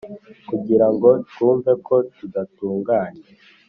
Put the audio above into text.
kugirango twumve ko tudatunganye,